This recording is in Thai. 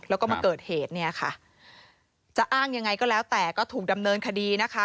แล้วก็มาเกิดเหตุเนี่ยค่ะจะอ้างยังไงก็แล้วแต่ก็ถูกดำเนินคดีนะคะ